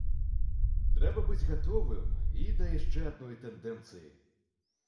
Трэба быць гатовым і да яшчэ адной тэндэнцыі.